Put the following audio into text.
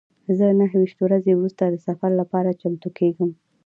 زه نهه ویشت ورځې وروسته د سفر لپاره چمتو کیږم.